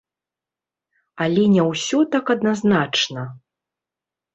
Але не ўсё так адназначна.